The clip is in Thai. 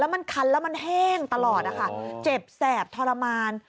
มันคันแล้วมันแห้งตลอดนะคะเจ็บแสบทรมาน